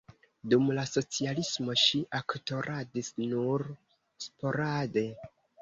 Dum la socialismo ŝi aktoradis nur sporade.